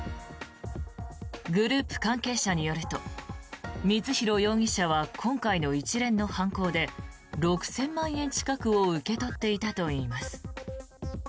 グループ関係者によると光弘容疑者は今回の一連の犯行で６０００万円近くを受け取っていたといいます。